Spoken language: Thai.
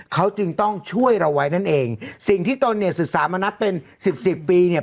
เขาจึงต้องช่วยเราไว้นั่นเองสิ่งที่ตนเนี่ยศึกษามานับเป็นสิบสิบปีเนี่ย